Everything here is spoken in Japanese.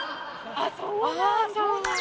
ああそうなんだ！